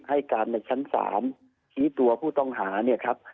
ให้การในชั้น๓ชี้ตัวผู้ต้องหา